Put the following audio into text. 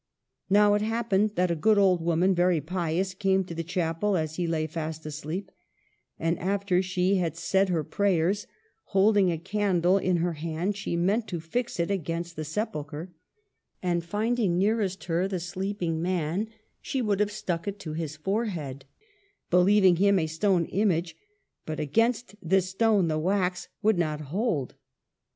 Now it happened that a good old woman, very pious, came to the chapel as he lay fast asleep ; and after she had said her prayers, holding a candle in her hand, she meant to fix it against the sepulchre ; and finding nearest her the sleeping man, she would have stuck it to his forehead, believing him a stone image ; but against this stone the wax would not hold.